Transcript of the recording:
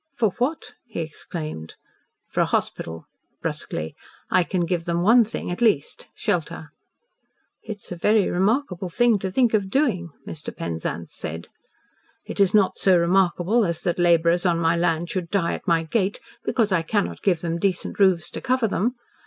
"For what?" he exclaimed "For a hospital," brusquely "I can give them one thing, at least shelter." "It is a very remarkable thing to think of doing," Mr. Penzance said. "It is not so remarkable as that labourers on my land should die at my gate because I cannot give them decent roofs to cover them.